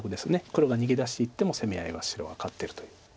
黒が逃げ出していっても攻め合いは白が勝ってるという。